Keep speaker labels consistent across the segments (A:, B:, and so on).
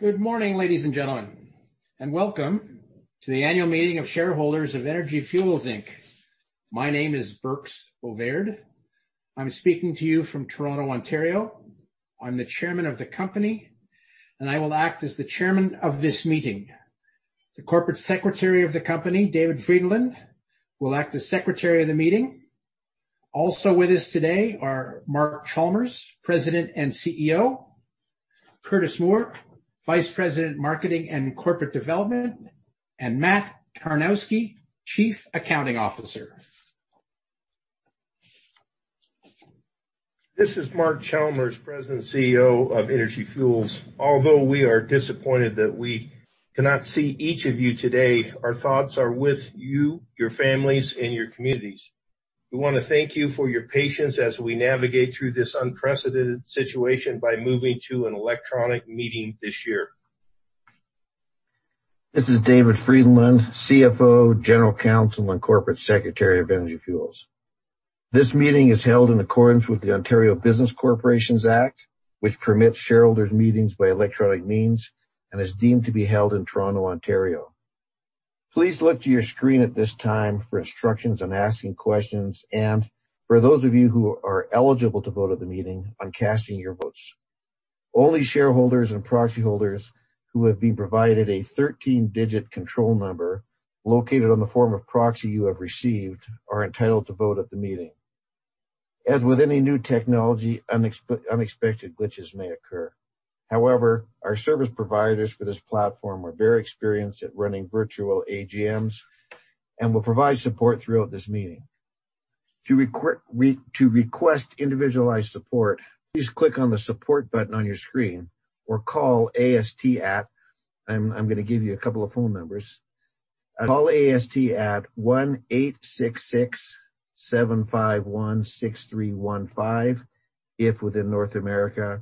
A: Good morning, ladies and gentlemen, and welcome to the annual meeting of shareholders of Energy Fuels Inc. My name is J. Birks Bovaird. I'm speaking to you from Toronto, Ontario. I'm the chairman of the company, and I will act as the chairman of this meeting. The corporate secretary of the company, David C. Frydenlund, will act as secretary of the meeting. Also with us today are Mark Chalmers, President and CEO, Curtis Moore, Vice President, Marketing and Corporate Development, and Matthew Kapell, Chief Accounting Officer.
B: This is Mark Chalmers, President and CEO of Energy Fuels. Although we are disappointed that we cannot see each of you today, our thoughts are with you, your families, and your communities. We wanna thank you for your patience as we navigate through this unprecedented situation by moving to an electronic meeting this year.
C: This is David C. Frydenlund, CFO, General Counsel, and Corporate Secretary of Energy Fuels. This meeting is held in accordance with the Ontario Business Corporations Act, which permits shareholders' meetings by electronic means and is deemed to be held in Toronto, Ontario. Please look to your screen at this time for instructions on asking questions, and for those of you who are eligible to vote at the meeting on casting your votes. Only shareholders and proxy holders who have been provided a 13-digit control number located on the form of proxy you have received are entitled to vote at the meeting. As with any new technology, unexpected glitches may occur. However, our service providers for this platform are very experienced at running virtual AGMs and will provide support throughout this meeting. To request individualized support, please click on the support button on your screen or call AST at. I'm gonna give you a couple of phone numbers. Call AST at 1-866-751-6315 if within North America,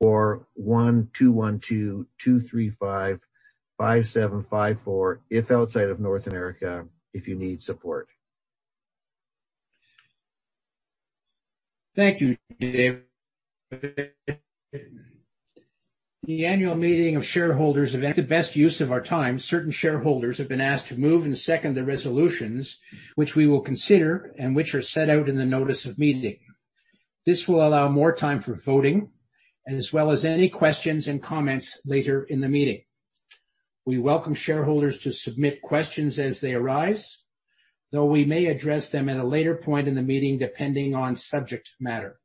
C: or 1-212-235-5754 if outside of North America if you need support.
A: Thank you, Dave. The annual meeting of shareholders, to make the best use of our time, certain shareholders have been asked to move and second the resolutions, which we will consider and which are set out in the notice of meeting. This will allow more time for voting as well as any questions and comments later in the meeting. We welcome shareholders to submit questions as they arise, though we may address them at a later point in the meeting, depending on subject matter.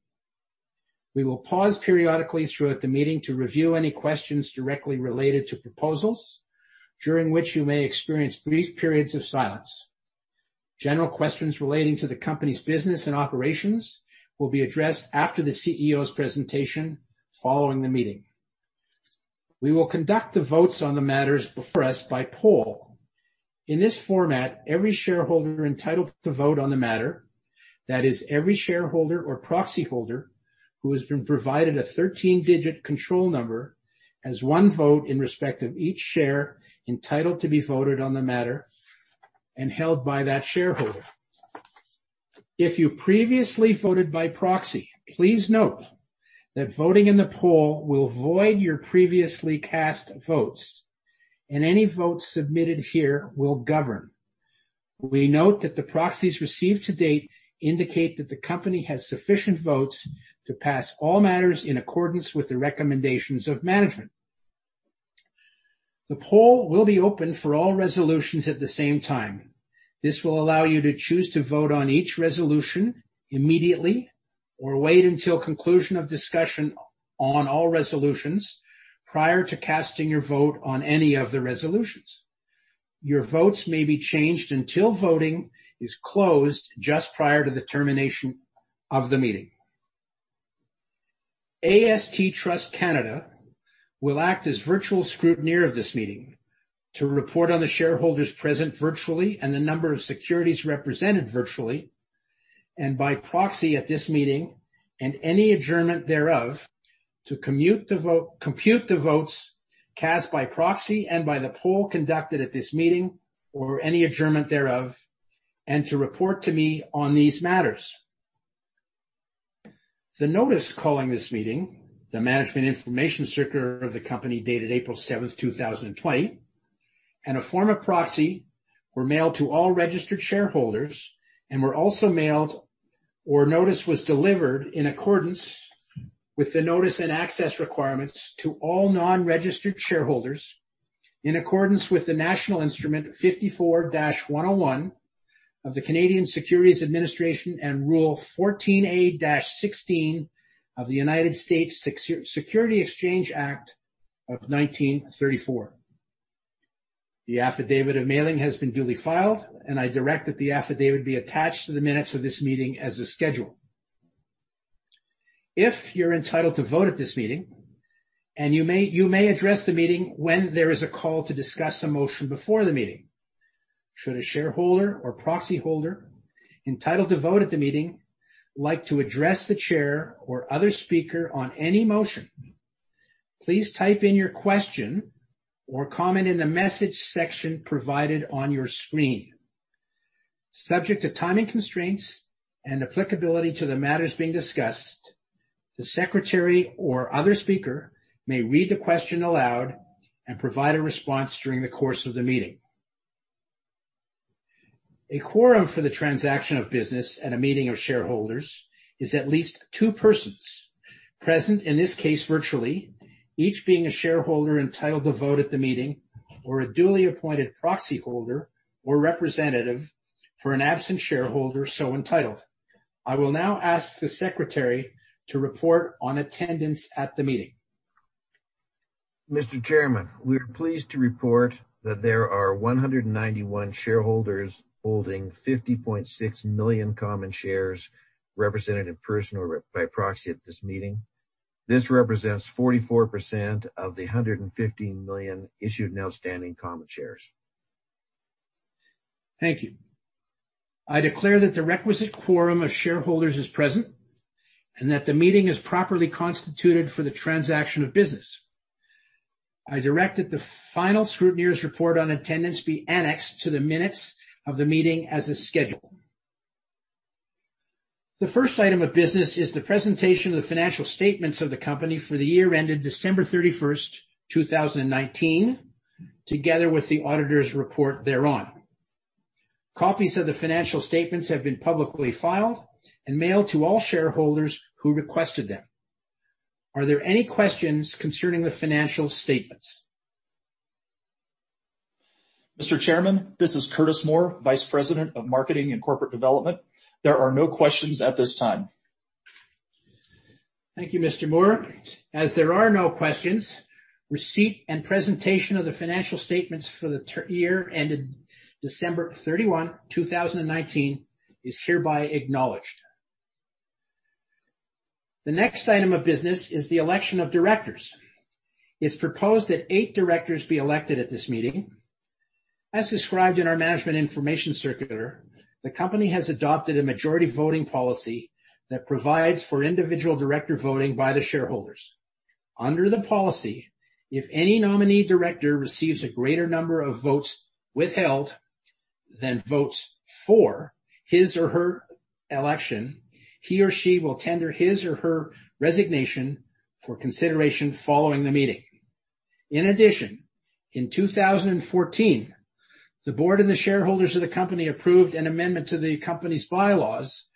A: We will pause periodically throughout the meeting to review any questions directly related to proposals, during which you may experience brief periods of silence. General questions relating to the company's business and operations will be addressed after the CEO's presentation, following the meeting. We will conduct the votes on the matters before us by poll. In this format, every shareholder entitled to vote on the matter, that is, every shareholder or proxy holder who has been provided a 13-digit control number, has one vote in respect of each share, entitled to be voted on the matter and held by that shareholder. If you previously voted by proxy, please note that voting in the poll will void your previously cast votes, and any votes submitted here will govern. We note that the proxies received to date indicate that the company has sufficient votes to pass all matters in accordance with the recommendations of management. The poll will be open for all resolutions at the same time. This will allow you to choose to vote on each resolution immediately or wait until conclusion of discussion on all resolutions prior to casting your vote on any of the resolutions. Your votes may be changed until voting is closed just prior to the termination of the meeting. AST Trust Canada will act as virtual scrutineer of this meeting to report on the shareholders present virtually and the number of securities represented virtually and by proxy at this meeting and any adjournment thereof, to compute the votes cast by proxy and by the poll conducted at this meeting or any adjournment thereof, and to report to me on these matters. The notice calling this meeting, the management information circular of the company, dated April 7, 2020, and a form of proxy, were mailed to all registered shareholders and were also mailed, or notice was delivered in accordance with the notice and access requirements to all non-registered shareholders, in accordance with the National Instrument 54-101 of the Canadian Securities Administrators and Rule 14a-16 of the United States Securities Exchange Act of 1934. The Affidavit of Mailing has been duly filed, and I direct that the affidavit be attached to the minutes of this meeting as a schedule. If you're entitled to vote at this meeting, and you may, you may address the meeting when there is a call to discuss a motion before the meeting. Should a shareholder or proxy holder entitled to vote at the meeting like to address the chair or other speaker on any motion, please type in your question or comment in the message section provided on your screen. Subject to timing constraints and applicability to the matters being discussed, the secretary or other speaker may read the question aloud and provide a response during the course of the meeting. A quorum for the transaction of business at a meeting of shareholders is at least two persons present, in this case, virtually, each being a shareholder entitled to vote at the meeting, or a duly appointed proxy holder or representative for an absent shareholder so entitled. I will now ask the secretary to report on attendance at the meeting.
C: Mr. Chairman, we are pleased to report that there are 191 shareholders holding 50.6 million common shares, represented in person or by proxy at this meeting. This represents 44% of the 115 million issued and outstanding common shares.
A: Thank you. I declare that the requisite quorum of shareholders is present, and that the meeting is properly constituted for the transaction of business. I direct that the final scrutineer's report on attendance be annexed to the minutes of the meeting as is scheduled. The first item of business is the presentation of the financial statements of the company for the year ended December 31, 2019, together with the auditor's report thereon. Copies of the financial statements have been publicly filed and mailed to all shareholders who requested them. Are there any questions concerning the financial statements?
D: Mr. Chairman, this is Curtis Moore, Vice President of Marketing and Corporate Development. There are no questions at this time.
A: Thank you, Mr. Moore. As there are no questions, receipt and presentation of the financial statements for the year ended December 31, 2019, is hereby acknowledged. The next item of business is the election of directors. It's proposed that eight directors be elected at this meeting. As described in our management information circular, the company has adopted a majority voting policy that provides for individual director voting by the shareholders. Under the policy, if any nominee director receives a greater number of votes withheld than votes for his or her election, he or she will tender his or her resignation for consideration following the meeting. In addition, in 2014, the board and the shareholders of the company approved an amendment to the company's bylaws,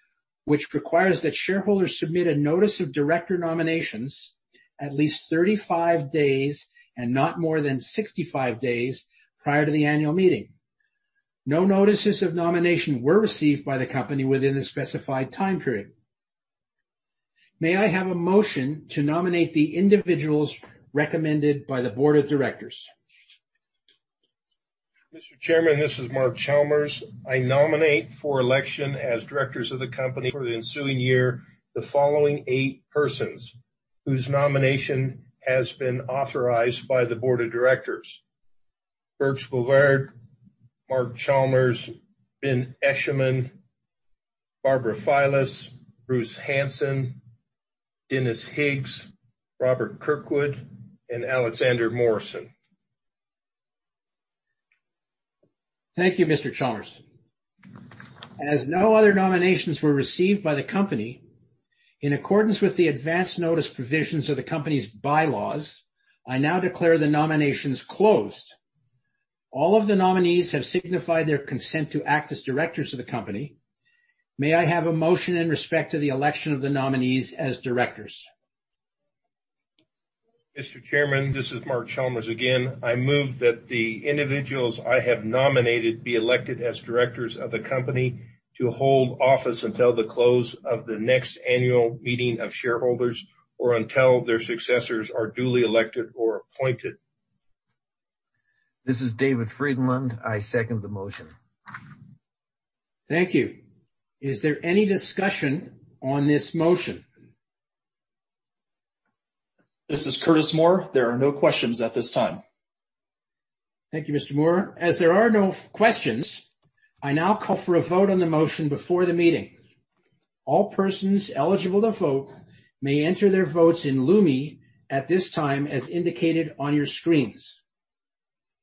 A: which requires that shareholders submit a notice of director nominations at least 35 days and not more than 65 days prior to the annual meeting. No notices of nomination were received by the company within the specified time period. May I have a motion to nominate the individuals recommended by the board of directors?
B: Mr. Chairman, this is Mark Chalmers. I nominate for election as directors of the company for the ensuing year, the following eight persons, whose nomination has been authorized by the board of directors: J. Birks Bovaird, Mark Chalmers, Ben Eshleman, Barbara Filas, Bruce Hansen, Dennis Higgs, Robert Kirkwood, and Alexander Morrison.
A: Thank you, Mr. Chalmers. As no other nominations were received by the company, in accordance with the advance notice provisions of the company's bylaws, I now declare the nominations closed. All of the nominees have signified their consent to act as directors of the company. May I have a motion in respect to the election of the nominees as directors?
B: Mr. Chairman, this is Mark Chalmers again. I move that the individuals I have nominated be elected as directors of the company to hold office until the close of the next annual meeting of shareholders or until their successors are duly elected or appointed.
C: This is David Frydenlund. I second the motion.
A: Thank you. Is there any discussion on this motion?
D: This is Curtis Moore. There are no questions at this time.
A: Thank you, Mr. Moore. As there are no questions, I now call for a vote on the motion before the meeting. All persons eligible to vote may enter their votes in Lumi at this time, as indicated on your screens.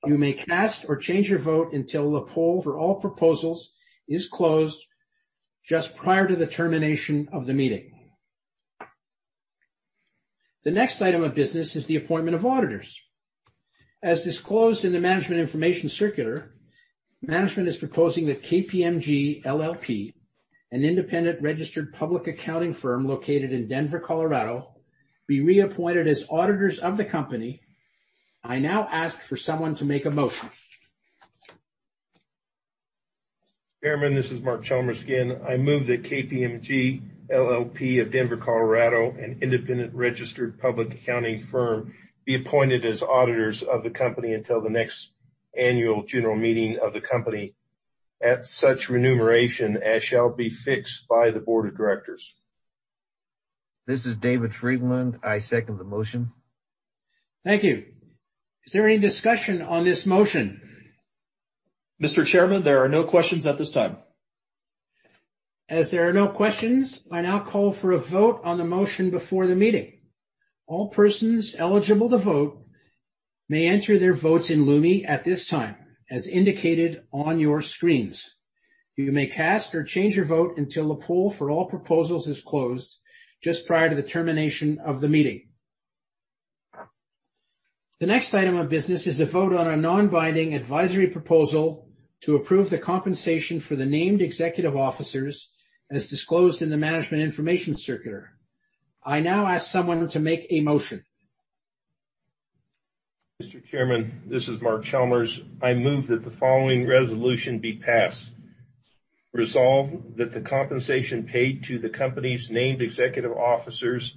A: You may cast or change your vote until the poll for all proposals is closed just prior to the termination of the meeting. The next item of business is the appointment of auditors. As disclosed in the Management Information Circular, management is proposing that KPMG LLP, an independent registered public accounting firm located in Denver, Colorado, be reappointed as auditors of the company. I now ask for someone to make a motion.
B: Chairman, this is Mark Chalmers again. I move that KPMG LLP of Denver, Colorado, an independent registered public accounting firm, be appointed as auditors of the company until the next annual general meeting of the company at such remuneration as shall be fixed by the board of directors.
C: This is David Frydenlund. I second the motion.
A: Thank you. Is there any discussion on this motion?
D: Mr. Chairman, there are no questions at this time. ...
A: As there are no questions, I now call for a vote on the motion before the meeting. All persons eligible to vote may enter their votes in Lumi at this time, as indicated on your screens. You may cast or change your vote until the poll for all proposals is closed just prior to the termination of the meeting. The next item of business is a vote on a non-binding advisory proposal to approve the compensation for the named executive officers as disclosed in the Management Information Circular. I now ask someone to make a motion.
B: Mr. Chairman, this is Mark Chalmers. I move that the following resolution be passed. Resolve that the compensation paid to the company's named executive officers,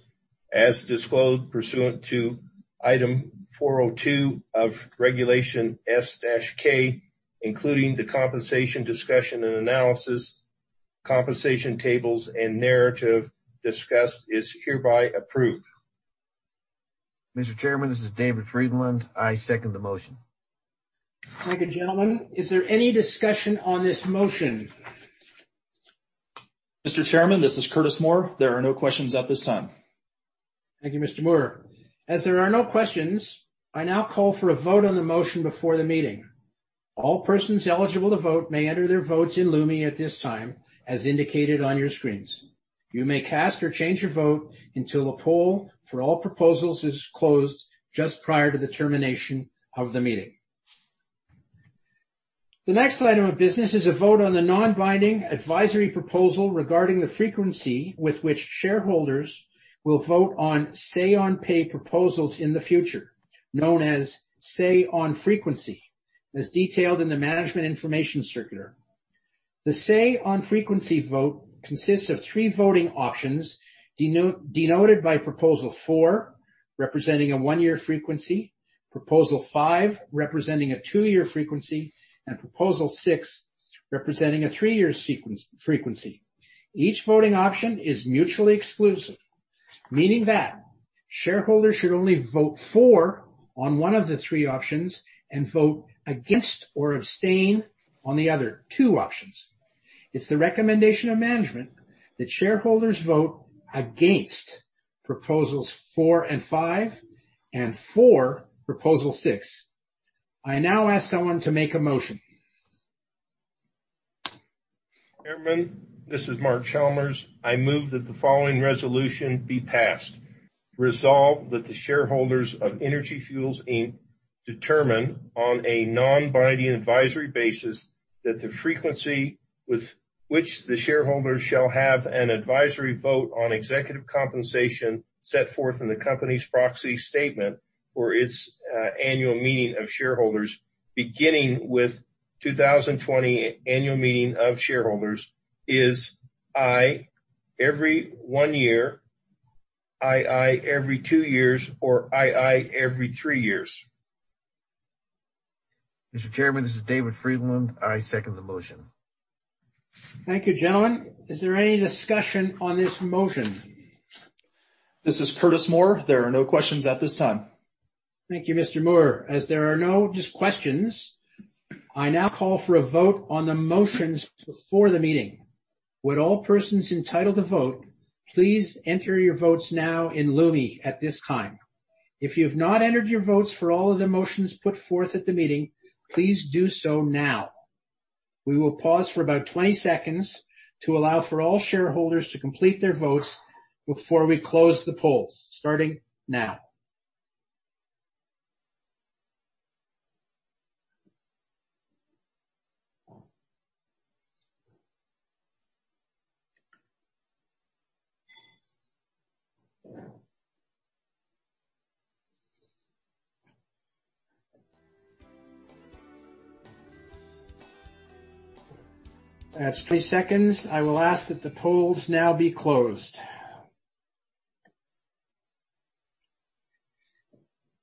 B: as disclosed pursuant to Item 402 of Regulation S-K, including the compensation discussion and analysis, compensation tables, and narrative discussed, is hereby approved.
C: Mr. Chairman, this is David Frydenlund. I second the motion.
A: Thank you, gentlemen. Is there any discussion on this motion?
D: Mr. Chairman, this is Curtis Moore. There are no questions at this time.
A: Thank you, Mr. Moore. As there are no questions, I now call for a vote on the motion before the meeting. All persons eligible to vote may enter their votes in Lumi at this time, as indicated on your screens. You may cast or change your vote until the poll for all proposals is closed just prior to the termination of the meeting. The next item of business is a vote on the non-binding advisory proposal regarding the frequency with which shareholders will vote on say-on-pay proposals in the future, known as say on frequency, as detailed in the Management Information Circular. The say on frequency vote consists of three voting options, denoted by Proposal Four, representing a one-year frequency, Proposal Five, representing a two-year frequency, and Proposal Six, representing a three-year frequency. Each voting option is mutually exclusive, meaning that shareholders should only vote for one of the three options and vote against or abstain on the other two options. It's the recommendation of management that shareholders vote against Proposals Four and Five and for Proposal Six. I now ask someone to make a motion.
B: Chairman, this is Mark Chalmers. I move that the following resolution be passed. Resolve that the shareholders of Energy Fuels Inc. determine on a non-binding advisory basis, that the frequency with which the shareholders shall have an advisory vote on executive compensation set forth in the company's proxy statement for its annual meeting of shareholders, beginning with 2020 annual meeting of shareholders, is I, every one year, II, every two years, or III, every three years.
C: Mr. Chairman, this is David Frydenlund. I second the motion.
A: Thank you, gentlemen. Is there any discussion on this motion?
D: This is Curtis Moore. There are no questions at this time.
A: Thank you, Mr. Moore. As there are no further questions, I now call for a vote on the motions before the meeting. Would all persons entitled to vote, please enter your votes now in Lumi at this time. If you have not entered your votes for all of the motions put forth at the meeting, please do so now. We will pause for about 20 seconds to allow for all shareholders to complete their votes before we close the polls, starting now. That's 20 seconds. I will ask that the polls now be closed.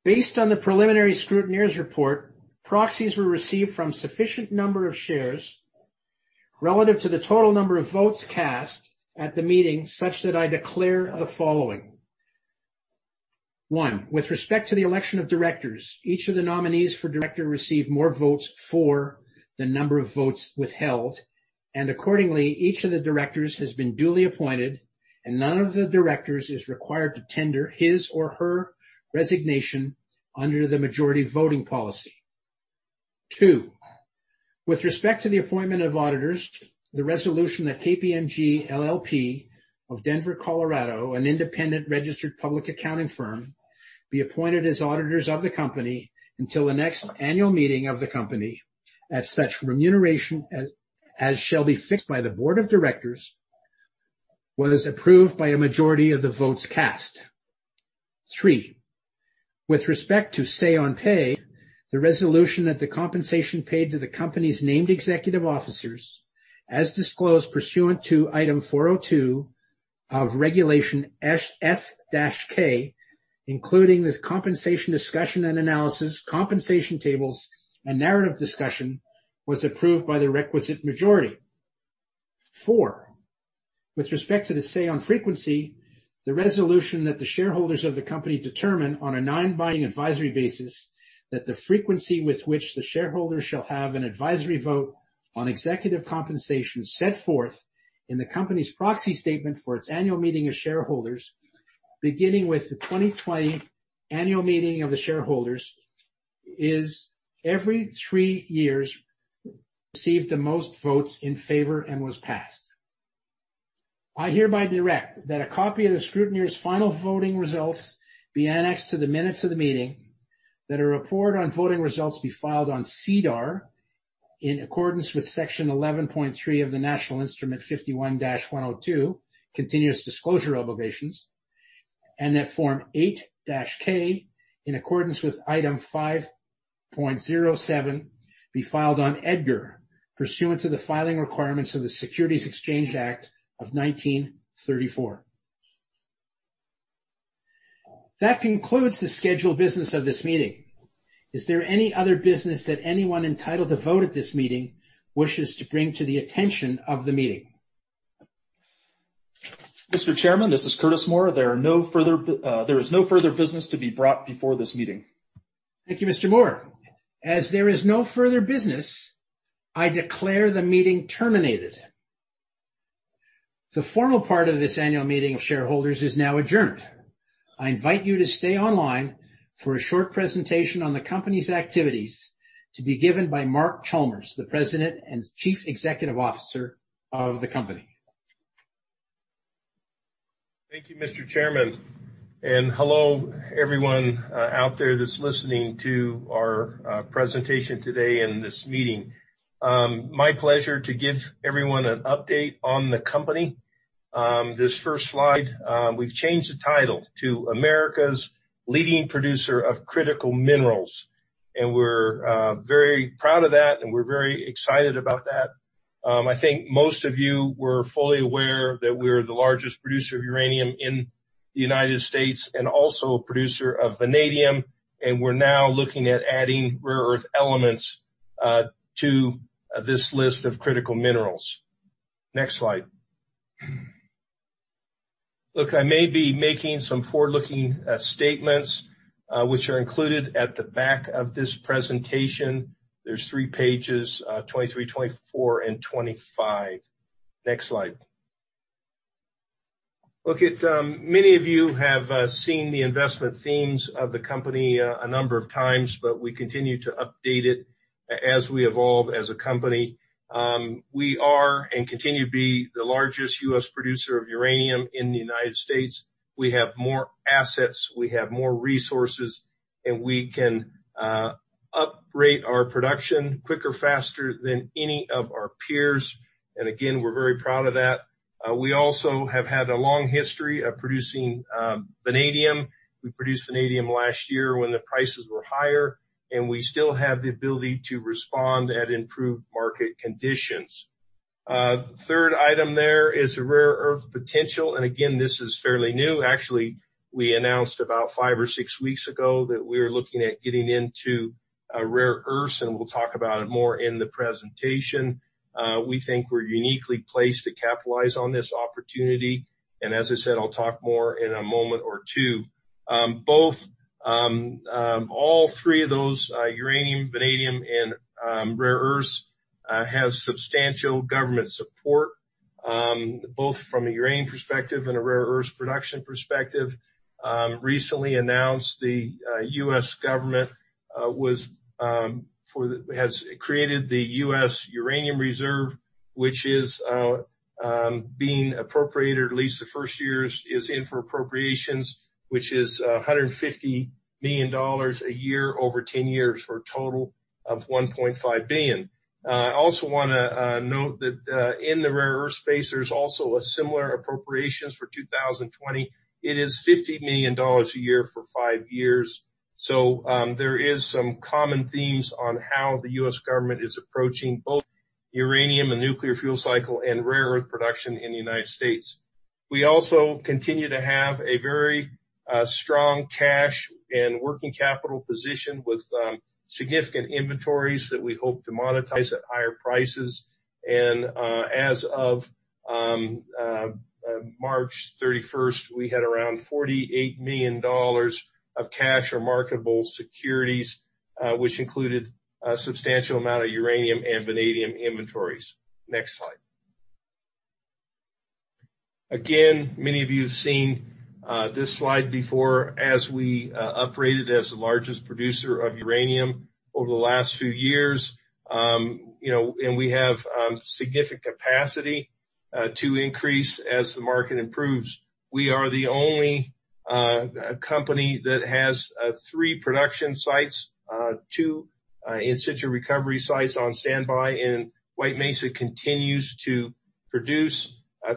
A: Based on the preliminary scrutineer's report, proxies were received from sufficient number of shares relative to the total number of votes cast at the meeting, such that I declare the following: One, with respect to the election of directors, each of the nominees for director received more votes for the number of votes withheld, and accordingly, each of the directors has been duly appointed, and none of the directors is required to tender his or her resignation under the majority voting policy. Two, with respect to the appointment of auditors, the resolution that KPMG LLP of Denver, Colorado, an independent registered public accounting firm, be appointed as auditors of the company until the next annual meeting of the company, at such remuneration as shall be fixed by the board of directors, was approved by a majority of the votes cast. Three, with respect to Say-on-Pay, the resolution that the compensation paid to the company's named executive officers, as disclosed pursuant to Item 402 of Regulation S-K, including this compensation discussion and analysis, compensation tables, and narrative discussion, was approved by the requisite majority. Four. With respect to the Say-on-Frequency, the resolution that the shareholders of the company determine on a non-binding advisory basis, that the frequency with which the shareholders shall have an advisory vote on executive compensation set forth in the company's proxy statement for its annual meeting of shareholders, beginning with the 2020 annual meeting of the shareholders, is every 3 years, received the most votes in favor and was passed. I hereby direct that a copy of the scrutineer's final voting results be annexed to the minutes of the meeting, that a report on voting results be filed on SEDAR in accordance with Section 11.3 of the National Instrument 51-102, continuous disclosure obligations, and that Form 8-K, in accordance with Item 5.07, be filed on EDGAR pursuant to the filing requirements of the Securities Exchange Act of 1934. That concludes the scheduled business of this meeting. Is there any other business that anyone entitled to vote at this meeting wishes to bring to the attention of the meeting?
D: Mr. Chairman, this is Curtis Moore. There is no further business to be brought before this meeting.
A: Thank you, Mr. Moore. As there is no further business, I declare the meeting terminated. The formal part of this annual meeting of shareholders is now adjourned. I invite you to stay online for a short presentation on the company's activities to be given by Mark Chalmers, the President and Chief Executive Officer of the company.
B: Thank you, Mr. Chairman, and hello, everyone, out there that's listening to our presentation today in this meeting. My pleasure to give everyone an update on the company. This first slide, we've changed the title to America's Leading Producer of Critical Minerals, and we're very proud of that, and we're very excited about that. I think most of you were fully aware that we're the largest producer of uranium in the United States, and also a producer of vanadium, and we're now looking at adding rare earth elements to this list of critical minerals. Next slide. Look, I may be making some forward-looking statements, which are included at the back of this presentation. There's three pages, 23, 24, and 25. Next slide. Look at, many of you have seen the investment themes of the company, a number of times, but we continue to update it as we evolve as a company. We are and continue to be the largest U.S. producer of uranium in the United States. We have more assets, we have more resources, and we can upgrade our production quicker, faster than any of our peers. And again, we're very proud of that. We also have had a long history of producing vanadium. We produced vanadium last year when the prices were higher, and we still have the ability to respond at improved market conditions. Third item there is a rare earth potential, and again, this is fairly new. Actually, we announced about 5 or 6 weeks ago that we're looking at getting into rare earths, and we'll talk about it more in the presentation. We think we're uniquely placed to capitalize on this opportunity, and as I said, I'll talk more in a moment or two. Both all three of those uranium, vanadium, and rare earths have substantial government support both from a uranium perspective and a rare earth production perspective. Recently, the U.S. government has created the U.S. Uranium Reserve, which is being appropriated, or at least the first years is in for appropriations, which is $150 million a year over 10 years, for a total of $1.5 billion. I also wanna note that in the rare earth space, there's also a similar appropriation for 2020. It is $50 million a year for five years. So, there is some common themes on how the U.S. government is approaching both uranium and nuclear fuel cycle and rare earth production in the United States. We also continue to have a very strong cash and working capital position with significant inventories that we hope to monetize at higher prices. As of March thirty-first, we had around $48 million of cash or marketable securities, which included a substantial amount of uranium and vanadium inventories. Next slide. Again, many of you have seen this slide before as we upgraded as the largest producer of uranium over the last few years. You know, and we have significant capacity to increase as the market improves. We are the only company that has three production sites, two in-situ recovery sites on standby, and White Mesa continues to produce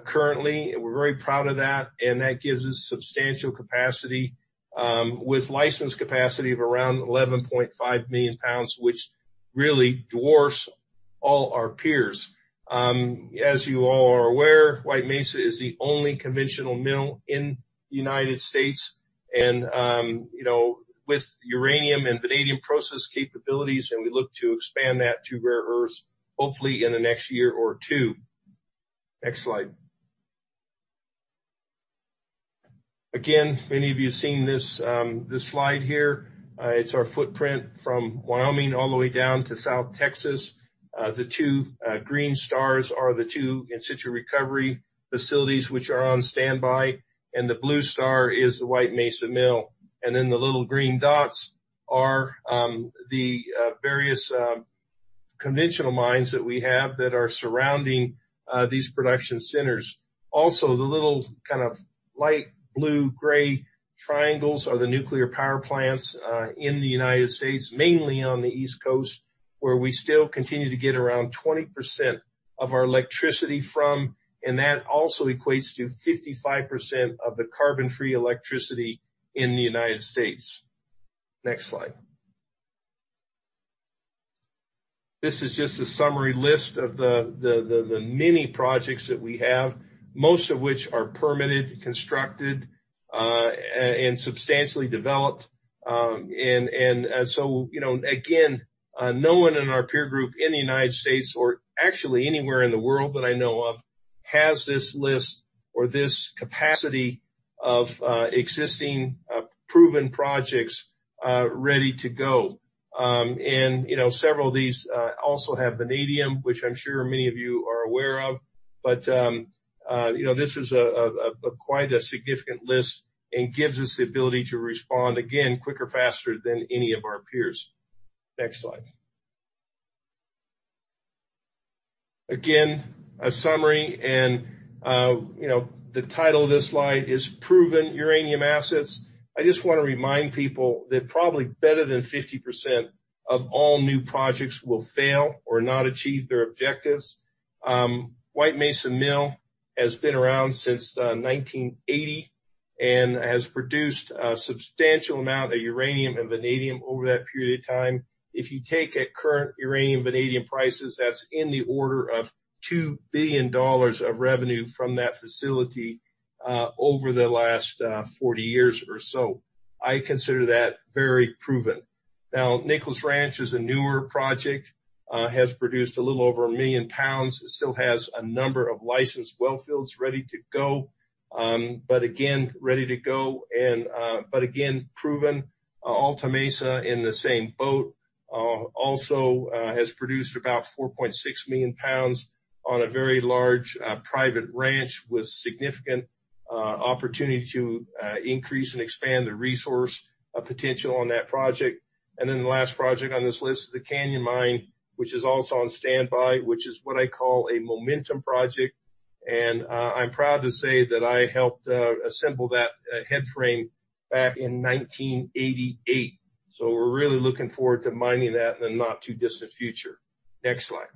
B: currently. We're very proud of that, and that gives us substantial capacity with licensed capacity of around 11.5 million pounds, which really dwarfs all our peers. As you all are aware, White Mesa is the only conventional mill in the United States. You know, with uranium and vanadium process capabilities, and we look to expand that to rare earths, hopefully in the next year or two. Next slide. Again, many of you have seen this, this slide here. It's our footprint from Wyoming all the way down to South Texas. The two green stars are the two in-situ recovery facilities, which are on standby, and the blue star is the White Mesa Mill. And then the little green dots are the various conventional mines that we have that are surrounding these production centers. Also, the little kind of light blue, gray triangles are the nuclear power plants in the United States, mainly on the East Coast, where we still continue to get around 20% of our electricity from, and that also equates to 55% of the carbon-free electricity in the United States. Next slide. This is just a summary list of the many projects that we have, most of which are permitted, constructed, and substantially developed. And so, you know, again, no one in our peer group, in the United States or actually anywhere in the world that I know of, has this list or this capacity of existing proven projects ready to go. And, you know, several of these also have vanadium, which I'm sure many of you are aware of, but you know, this is a quite a significant list and gives us the ability to respond, again, quicker, faster than any of our peers. Next slide. Again, a summary, and you know, the title of this slide is Proven Uranium Assets. I just wanna remind people that probably better than 50% of all new projects will fail or not achieve their objectives. White Mesa Mill has been around since 1980, and has produced a substantial amount of uranium and vanadium over that period of time. If you take a current uranium, vanadium prices, that's in the order of $2 billion of revenue from that facility, over the last 40 years or so, I consider that very proven. Now, Nichols Ranch is a newer project, has produced a little over 1 million pounds, still has a number of licensed well fields ready to go, but again, ready to go, and, but again, proven. Alta Mesa in the same boat, also, has produced about 4.6 million pounds on a very large private ranch, with significant opportunity to increase and expand the resource of potential on that project. And then the last project on this list, the Canyon Mine, which is also on standby, which is what I call a momentum project, and, I'm proud to say that I helped, assemble that, headframe back in 1988. So we're really looking forward to mining that in the not-too-distant future. Next slide.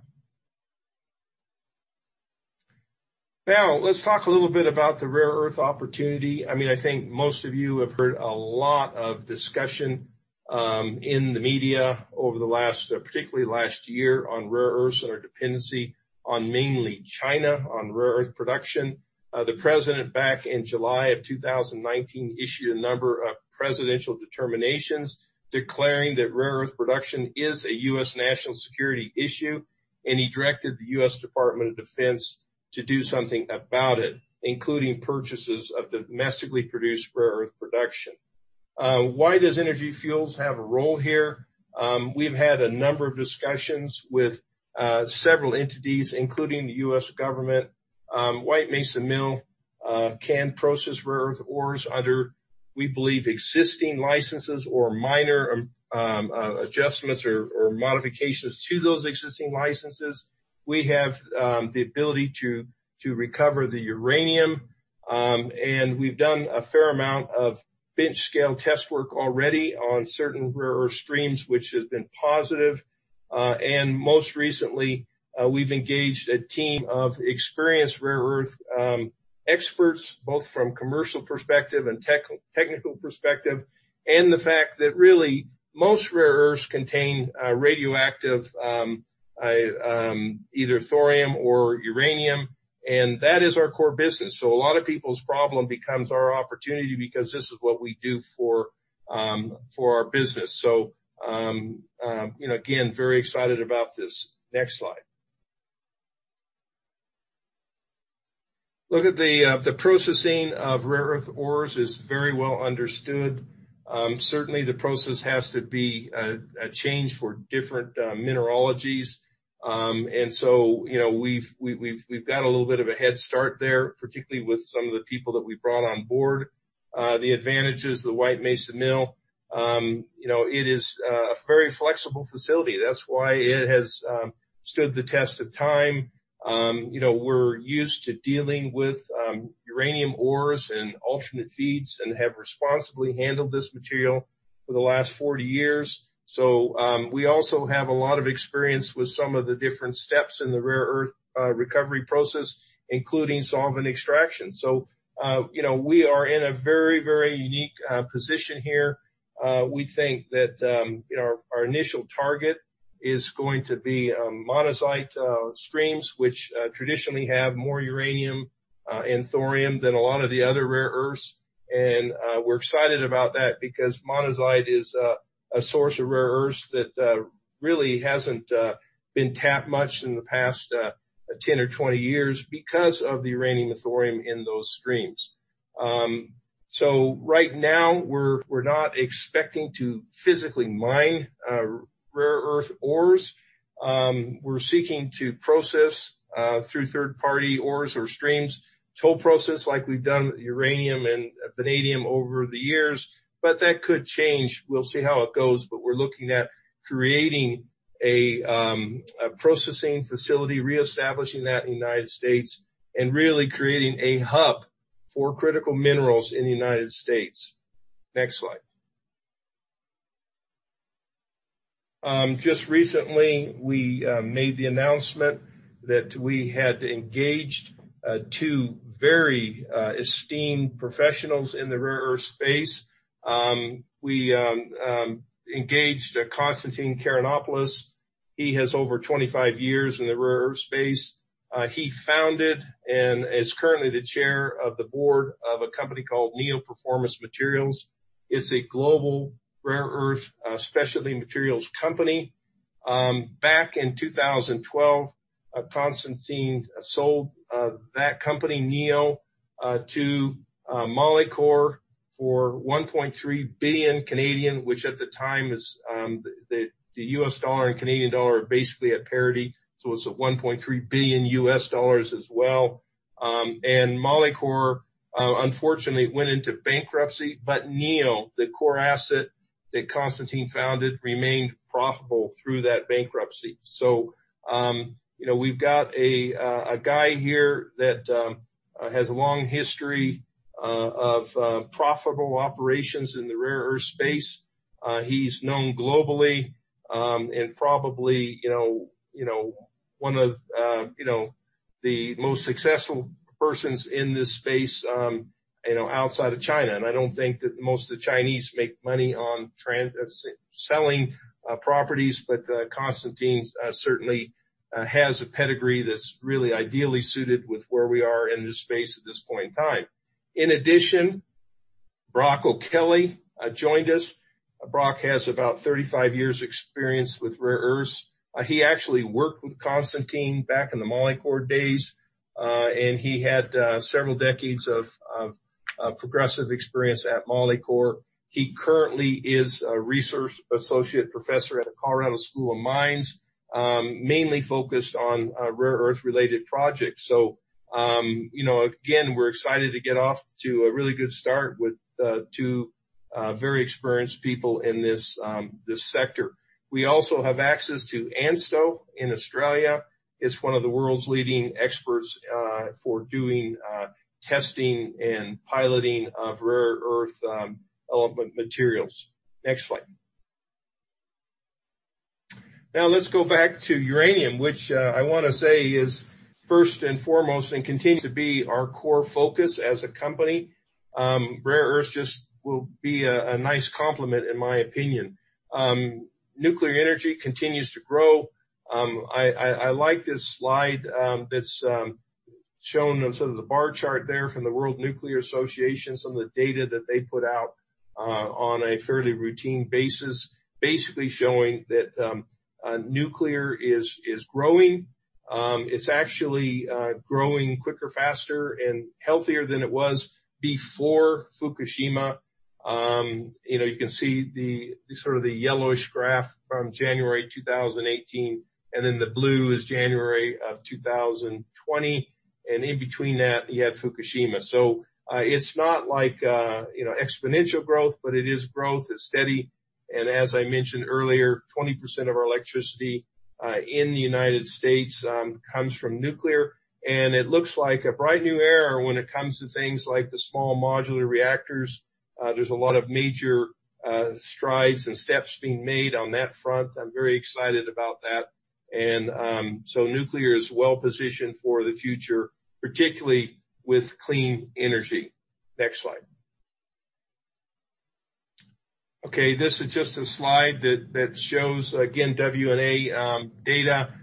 B: Now, let's talk a little bit about the rare earth opportunity. I mean, I think most of you have heard a lot of discussion, in the media over the last, particularly last year, on rare earths and our dependency on mainly China, on rare earth production. The president, back in July of 2019, issued a number of presidential determinations declaring that rare earth production is a U.S. national security issue, and he directed the U.S. Department of Defense to do something about it, including purchases of domestically produced rare earth production. Why does Energy Fuels have a role here? We've had a number of discussions with several entities, including the U.S. government. White Mesa Mill can process rare earth ores under, we believe, existing licenses or minor adjustments or modifications to those existing licenses. We have the ability to recover the uranium, and we've done a fair amount of bench-scale test work already on certain rare earth streams, which has been positive. And most recently, we've engaged a team of experienced rare earth experts, both from commercial perspective and technical perspective, and the fact that really most rare earths contain radioactive either thorium or uranium, and that is our core business. So a lot of people's problem becomes our opportunity because this is what we do for our business. So, you know, again, very excited about this. Next slide. Look at the processing of rare earth ores is very well understood. Certainly, the process has to be changed for different mineralogies. And so, you know, we've got a little bit of a head start there, particularly with some of the people that we brought on board. The advantages, the White Mesa Mill, you know, it is a very flexible facility. That's why it has stood the test of time. You know, we're used to dealing with uranium ores and alternate feeds and have responsibly handled this material for the last 40 years. So, we also have a lot of experience with some of the different steps in the rare earth recovery process, including solvent extraction. So, you know, we are in a very, very unique position here. We think that, you know, our initial target is going to be monazite streams, which traditionally have more uranium and thorium than a lot of the other rare earths. We're excited about that because Monazite is a source of rare earths that really hasn't been tapped much in the past 10 or 20 years because of the uranium and thorium in those streams. So right now, we're not expecting to physically mine rare earth ores. We're seeking to process through third party ores or streams, toll process, like we've done with uranium and vanadium over the years, but that could change. We'll see how it goes, but we're looking at creating a processing facility, reestablishing that in the United States, and really creating a hub for critical minerals in the United States. Next slide. Just recently, we made the announcement that we had engaged two very esteemed professionals in the rare earth space. We engaged Constantine Karayannopoulos. He has over 25 years in the rare earth space. He founded and is currently the chair of the board of a company called Neo Performance Materials. It's a global rare earth, specialty materials company. Back in 2012, Constantine sold that company, Neo, to Molycorp for 1.3 billion, which at the time is, the US dollar and Canadian dollar are basically at parity, so it's at $1.3 billion as well. And Molycorp unfortunately went into bankruptcy, but Neo, the core asset that Constantine founded, remained profitable through that bankruptcy. So, you know, we've got a guy here that has a long history of profitable operations in the rare earth space. He's known globally, and probably, you know, you know, one of, you know, the most successful persons in this space, you know, outside of China, and I don't think that most of the Chinese make money on selling properties, but Constantine certainly has a pedigree that's really ideally suited with where we are in this space at this point in time. In addition, Brock O'Kelley joined us. Brock has about 35 years experience with rare earths. He actually worked with Constantine back in the Molycorp days, and he had several decades of progressive experience at Molycorp. He currently is a research associate professor at the Colorado School of Mines, mainly focused on rare earth-related projects. So, you know, again, we're excited to get off to a really good start with two very experienced people in this this sector. We also have access to ANSTO in Australia. It's one of the world's leading experts for doing testing and piloting of rare earth element materials. Next slide. Now, let's go back to uranium, which I wanna say is first and foremost, and continues to be our core focus as a company. Rare earths just will be a nice complement, in my opinion. Nuclear energy continues to grow. I like this slide that's shown on sort of the bar chart there from the World Nuclear Association, some of the data that they put out on a fairly routine basis, basically showing that nuclear is growing. It's actually growing quicker, faster, and healthier than it was before Fukushima. You know, you can see the sort of yellowish graph from January 2018, and then the blue is January of 2020, and in between that, you had Fukushima. So, it's not like, you know, exponential growth, but it is growth. It's steady, and as I mentioned earlier, 20% of our electricity in the United States comes from nuclear, and it looks like a bright new era when it comes to things like the small modular reactors. There's a lot of major strides and steps being made on that front. I'm very excited about that. So nuclear is well positioned for the future, particularly with clean energy. Next slide. Okay, this is just a slide that shows, again, WNA data.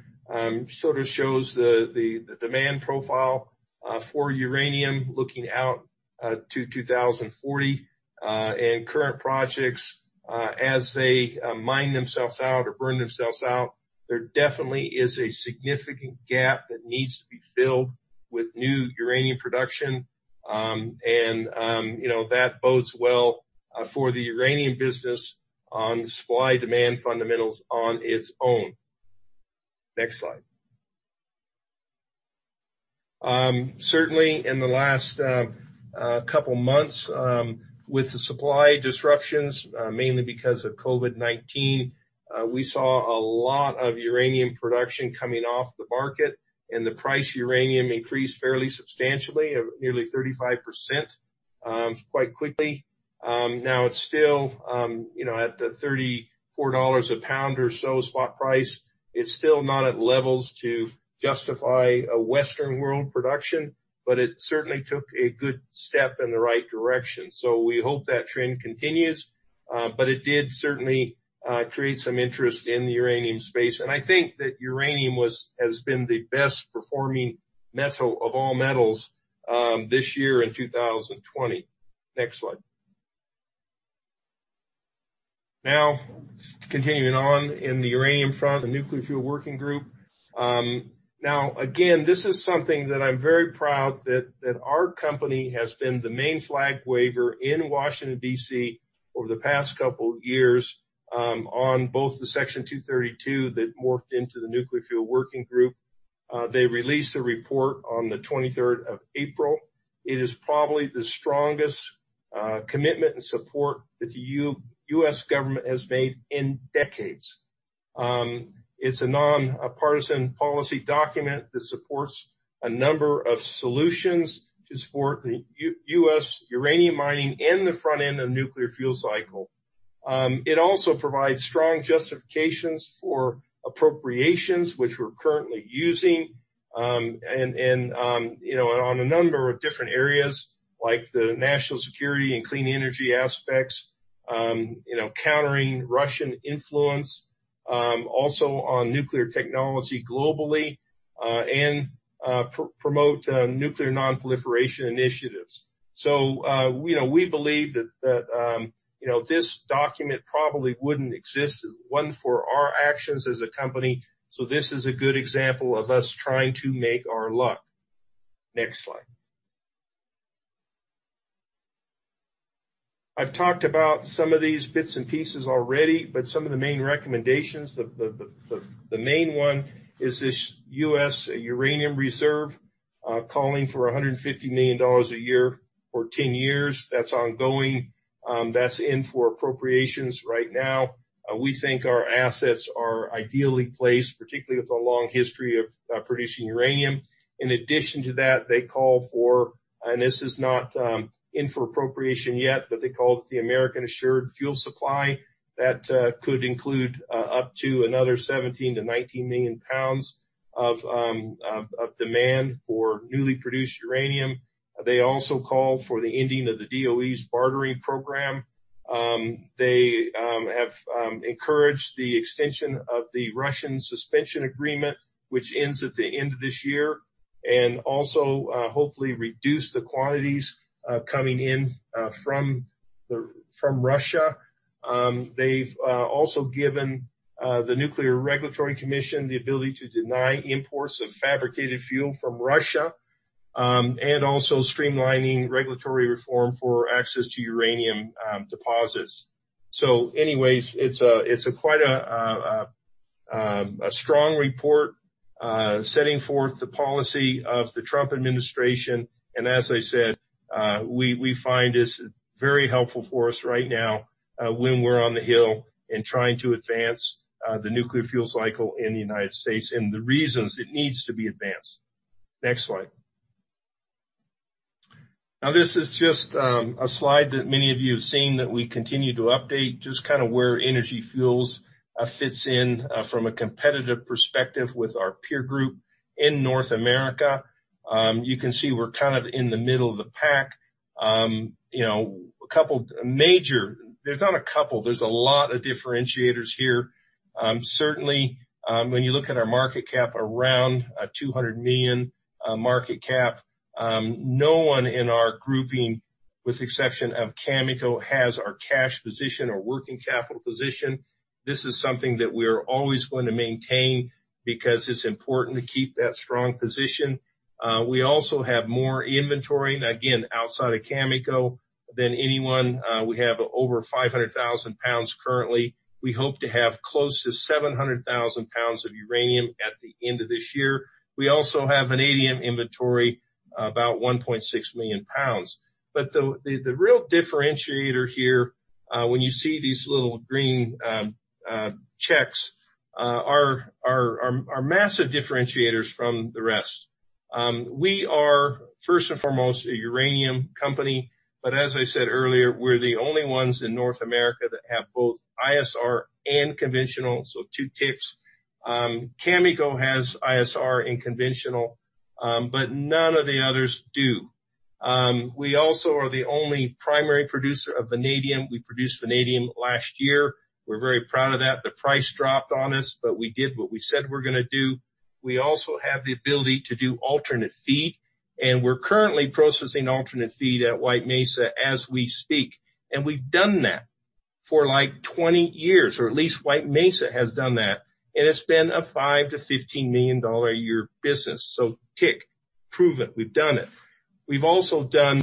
B: Sort of shows the demand profile for uranium looking out to 2040, and current projects as they mine themselves out or burn themselves out, there definitely is a significant gap that needs to be filled with new uranium production. And you know, that bodes well for the uranium business on supply-demand fundamentals on its own. Next slide. Certainly, in the last couple months, with the supply disruptions mainly because of COVID-19, we saw a lot of uranium production coming off the market, and the price uranium increased fairly substantially, of nearly 35%, quite quickly. Now, it's still you know, at the $34 a pound or so spot price.... It's still not at levels to justify a Western world production, but it certainly took a good step in the right direction. So we hope that trend continues, but it did certainly create some interest in the uranium space. And I think that uranium has been the best performing metal of all metals, this year in 2020. Next slide. Now, continuing on in the uranium front, the Nuclear Fuel Working Group. Now, again, this is something that I'm very proud that our company has been the main flag waver in Washington, D.C. over the past couple years, on both the Section 232 that morphed into the Nuclear Fuel Working Group. They released a report on the twenty-third of April. It is probably the strongest commitment and support that the U.S. government has made in decades. It's a non-partisan policy document that supports a number of solutions to support the US uranium mining and the front end of nuclear fuel cycle. It also provides strong justifications for appropriations, which we're currently using, and you know, on a number of different areas, like the national security and clean energy aspects, you know, countering Russian influence, also on nuclear technology globally, and promote nuclear non-proliferation initiatives. So, you know, we believe that this document probably wouldn't exist, won for our actions as a company, so this is a good example of us trying to make our luck. Next slide. I've talked about some of these bits and pieces already, but some of the main recommendations, the main one is this US Uranium Reserve, calling for $150 million a year for 10 years. That's ongoing. That's in for appropriations right now. We think our assets are ideally placed, particularly with a long history of producing uranium. In addition to that, they call for, and this is not in for appropriation yet, but they call it the American Assured Fuel Supply. That could include up to another 17-19 million pounds of demand for newly produced uranium. They also call for the ending of the DOE's bartering program. They have encouraged the extension of the Russian Suspension Agreement, which ends at the end of this year, and also hopefully reduce the quantities coming in from Russia. They've also given the Nuclear Regulatory Commission the ability to deny imports of fabricated fuel from Russia, and also streamlining regulatory reform for access to uranium deposits. So anyways, it's quite a strong report, setting forth the policy of the Trump administration, and as I said, we find this very helpful for us right now, when we're on the Hill and trying to advance the nuclear fuel cycle in the United States, and the reasons it needs to be advanced. Next slide. Now, this is just a slide that many of you have seen, that we continue to update, just kind of where Energy Fuels fits in from a competitive perspective with our peer group in North America. You can see we're kind of in the middle of the pack. You know, a couple major—there's not a couple, there's a lot of differentiators here. Certainly, when you look at our market cap, around $200 million market cap, no one in our grouping, with exception of Cameco, has our cash position or working capital position. This is something that we are always going to maintain because it's important to keep that strong position. We also have more inventory, and again, outside of Cameco, than anyone. We have over 500,000 pounds currently. We hope to have close to 700,000 pounds of uranium at the end of this year. We also have vanadium inventory, about 1.6 million pounds. But the real differentiator here, when you see these little green checks, are massive differentiators from the rest. We are first and foremost a uranium company, but as I said earlier, we're the only ones in North America that have both ISR and conventional, so two ticks. Cameco has ISR and conventional, but none of the others do. We also are the only primary producer of vanadium. We produced vanadium last year. We're very proud of that. The price dropped on us, but we did what we said we're gonna do. We also have the ability to do alternate feed, and we're currently processing alternate feed at White Mesa as we speak. And we've done that for, like, 20 years, or at least White Mesa has done that, and it's been a $5 million-$15 million a year business. So tick, proven, we've done it. We've also done,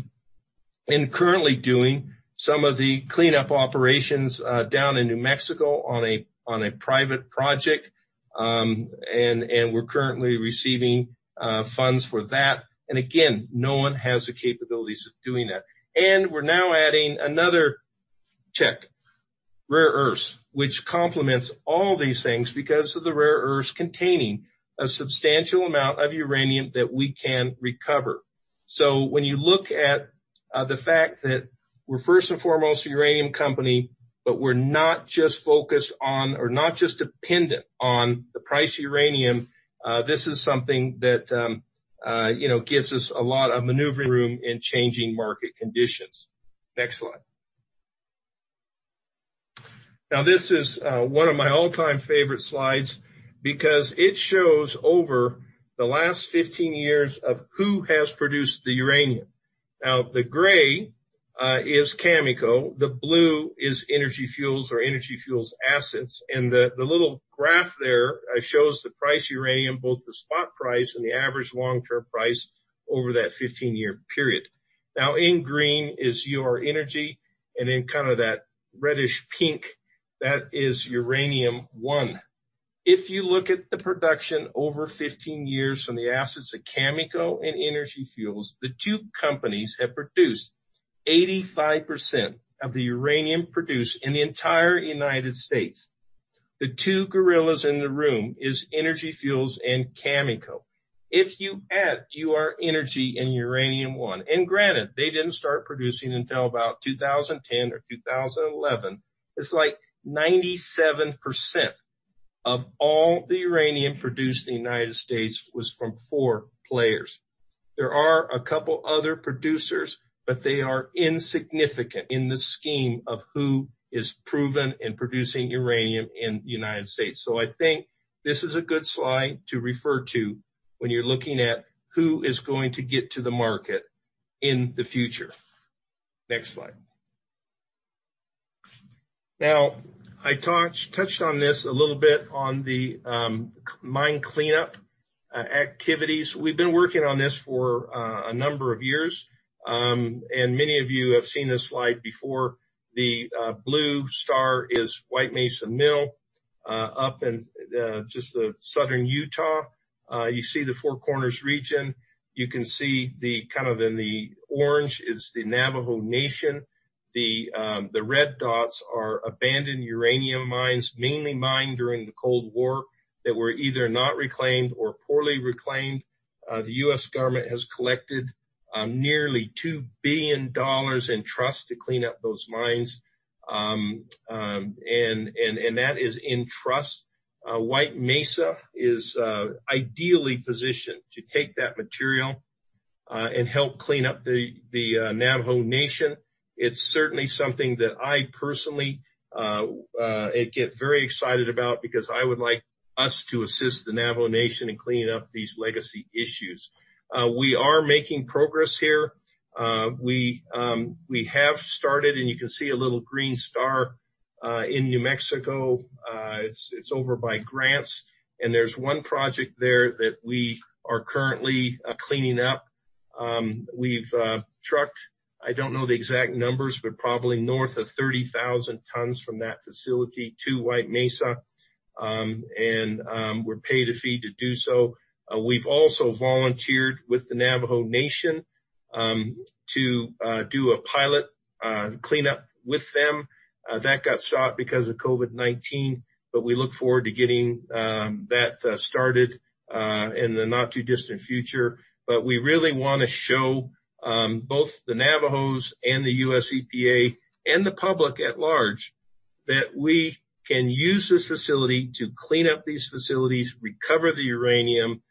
B: and currently doing, some of the cleanup operations down in New Mexico on a private project. And we're currently receiving funds for that. And again, no one has the capabilities of doing that. And we're now adding another check, rare earths, which complements all these things because of the rare earths containing a substantial amount of uranium that we can recover. So when you look at the fact that we're first and foremost a uranium company, but we're not just focused on, or not just dependent on the price of uranium, this is something that, you know, gives us a lot of maneuvering room in changing market conditions. Next slide. Now, this is one of my all-time favorite slides because it shows over the last 15 years of who has produced the uranium. Now, the gray is Cameco, the blue is Energy Fuels or Energy Fuels assets, and the little graph there shows the price of uranium, both the spot price and the average long-term price over that 15-year period. Now, in green is Ur-Energy, and in kind of that reddish pink, that is Uranium One. If you look at the production over 15 years from the assets of Cameco and Energy Fuels, the two companies have produced 85% of the uranium produced in the entire United States. The two gorillas in the room is Energy Fuels and Cameco. If you add Ur-Energy and Uranium One, and granted, they didn't start producing until about 2010 or 2011, it's like 97% of all the uranium produced in the United States was from four players. There are a couple other producers, but they are insignificant in the scheme of who is proven in producing uranium in the United States. So I think this is a good slide to refer to when you're looking at who is going to get to the market in the future. Next slide. Now, I touched on this a little bit on the mine cleanup activities. We've been working on this for a number of years, and many of you have seen this slide before. The blue star is White Mesa Mill up in just southern Utah. You see the Four Corners region. You can see the... kind of in the orange is the Navajo Nation. The red dots are abandoned uranium mines, mainly mined during the Cold War, that were either not reclaimed or poorly reclaimed. The U.S. government has collected nearly $2 billion in trust to clean up those mines. And that is in trust. White Mesa is ideally positioned to take that material and help clean up the Navajo Nation. It's certainly something that I personally get very excited about because I would like us to assist the Navajo Nation in cleaning up these legacy issues. We are making progress here. We have started, and you can see a little green star in New Mexico. It's over by Grants, and there's one project there that we are currently cleaning up. We've trucked, I don't know the exact numbers, but probably north of 30,000 tons from that facility to White Mesa, and we're paid a fee to do so. We've also volunteered with the Navajo Nation to do a pilot cleanup with them. That got stopped because of COVID-19, but we look forward to getting that started in the not-too-distant future. But we really want to show both the Navajos and the USEPA and the public at large that we can use this facility to clean up these facilities, recover the uranium,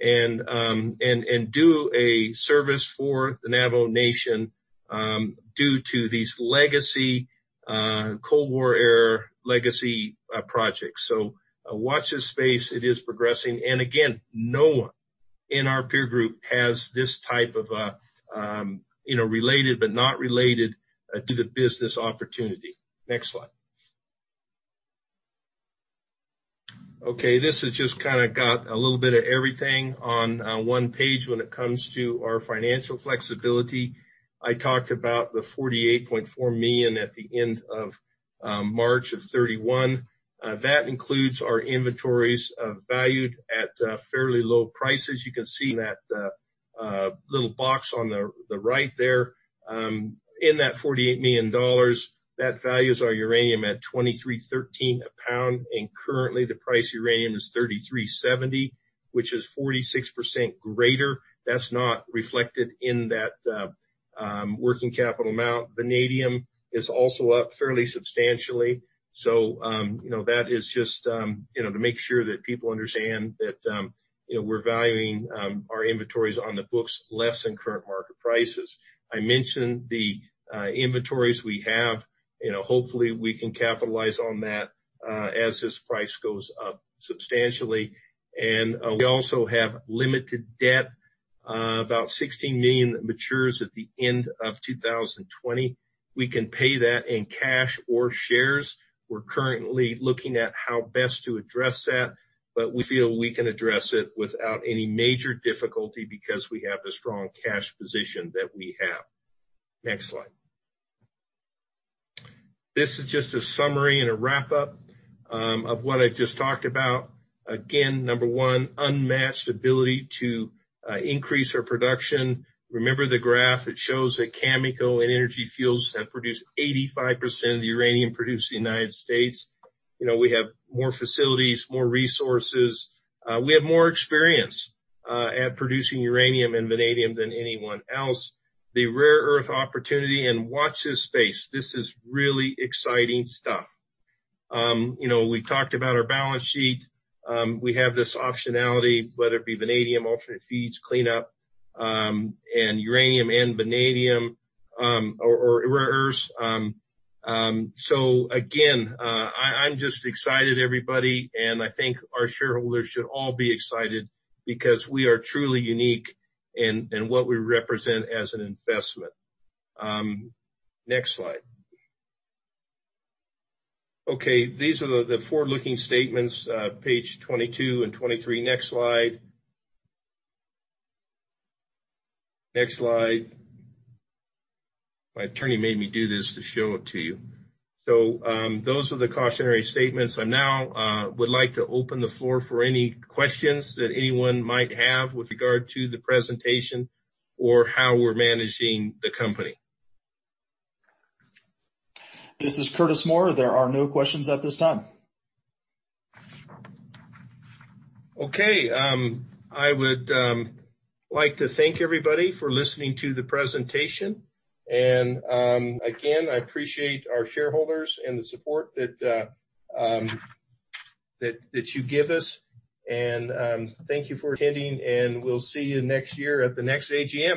B: and do a service for the Navajo Nation due to these legacy Cold War-era legacy projects. So watch this space. It is progressing. And again, no one in our peer group has this type of you know related but not related to the business opportunity. Next slide. Okay, this is just kind of got a little bit of everything on one page when it comes to our financial flexibility. I talked about the $48.4 million at the end of March 2021. That includes our inventories valued at fairly low prices. You can see that, little box on the, the right there. In that $48 million, that values our uranium at $23.13 a pound, and currently, the price of uranium is $33.70, which is 46% greater. That's not reflected in that, working capital amount. Vanadium is also up fairly substantially. So, you know, that is just, you know, to make sure that people understand that, you know, we're valuing, our inventories on the books less than current market prices. I mentioned the, inventories we have. You know, hopefully, we can capitalize on that, as this price goes up substantially. And, we also have limited debt, about $16 million matures at the end of 2020. We can pay that in cash or shares. We're currently looking at how best to address that, but we feel we can address it without any major difficulty because we have the strong cash position that we have. Next slide. This is just a summary and a wrap-up of what I've just talked about. Again, number one, unmatched ability to increase our production. Remember the graph, it shows that Cameco and Energy Fuels have produced 85% of the uranium produced in the United States. You know, we have more facilities, more resources. We have more experience at producing uranium and vanadium than anyone else. The rare earth opportunity, and watch this space. This is really exciting stuff. You know, we talked about our balance sheet. We have this optionality, whether it be vanadium, alternate feeds, cleanup, and uranium and vanadium, or rare earths. I'm just excited, everybody, and I think our shareholders should all be excited because we are truly unique in what we represent as an investment. Next slide. Okay, these are the forward-looking statements, page 22 and 23. Next slide. Next slide. My attorney made me do this to show it to you. So, those are the cautionary statements. I now would like to open the floor for any questions that anyone might have with regard to the presentation or how we're managing the company.
D: This is Curtis Moore. There are no questions at this time.
B: Okay, I would like to thank everybody for listening to the presentation. And again, I appreciate our shareholders and the support that you give us. And thank you for attending, and we'll see you next year at the next AGM.